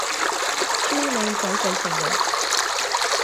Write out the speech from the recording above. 超靚仔繼承人